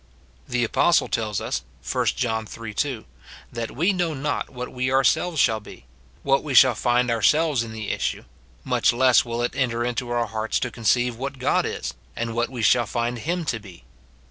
The apostle tells us, 1 John iii. 2, that we know not what we ourselves shall be, — what we shall find ourselves in the issue ; much less will it enter into our hearts to 23 266 MORTIFICATION OF conceive what Gnd is, and what we shall find him to be.